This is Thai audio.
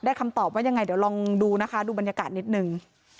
คำตอบว่ายังไงเดี๋ยวลองดูนะคะดูบรรยากาศนิดนึง